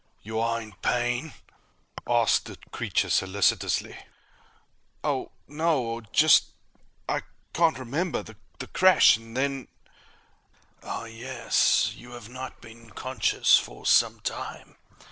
_ "You are in pain?" asked the creature solicitously. "Oh ... no. Just ... I can't remember. The crash ... and then " "Ah, yes. You have not been conscious for some time."